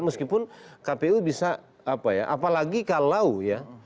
meskipun kpu bisa apa ya apalagi kalau ya